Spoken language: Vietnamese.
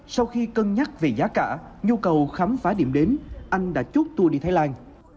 sau khi cân nhắc về giá cả nhu cầu khám phá điểm đến anh đã chút tour đi thái lan